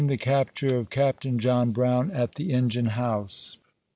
THE CAPTURE OF CAPTAIN JOHN BROWN AT THE ENGINE HOUSE.